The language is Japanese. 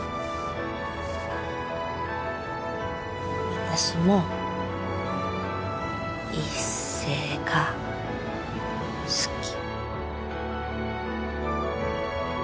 私も一星が好き。